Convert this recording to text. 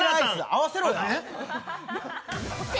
合わせろや！